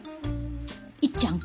いっちゃん